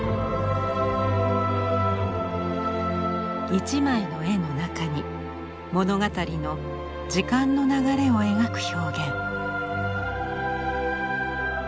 一枚の絵の中に物語の時間の流れを描く表現。